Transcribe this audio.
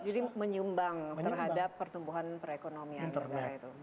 jadi menyumbang terhadap pertumbuhan perekonomian negara itu